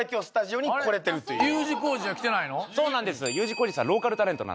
そうなんです。